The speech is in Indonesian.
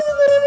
ini salah gue